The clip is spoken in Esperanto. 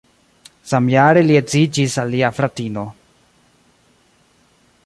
Samjare li edziĝis al lia fratino.